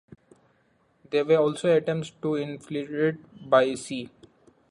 There were also attempts to infiltrate by sea.